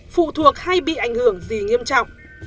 phụ thuộc hay bị ảnh hưởng gì nghiêm trọng